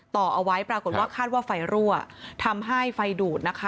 ต่อเอาไว้ปรากฏว่าคาดว่าไฟรั่วทำให้ไฟดูดนะคะ